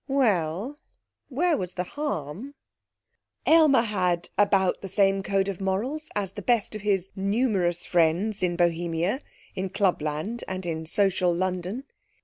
Well, where was the harm? Aylmer had about the same code of morals as the best of his numerous friends in Bohemia, in clubland and in social London.